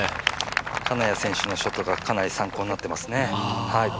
金谷選手のショットがかなり参考になってますね。